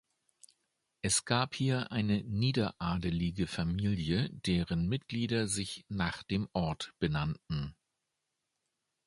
Es gab hier eine niederadelige Familie, deren Mitglieder sich nach dem Ort benannten.